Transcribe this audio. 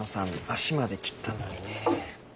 足まで切ったのにね。